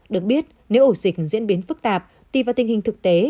được biết nếu ổ dịch diễn biến phức tạp tùy vào tình hình thực tế